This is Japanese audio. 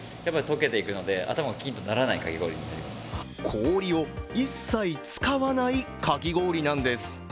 氷を一切使わないかき氷なんです。